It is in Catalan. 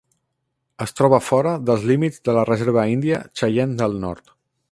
Es troba fora dels límits de la reserva índia Cheyenne del Nord.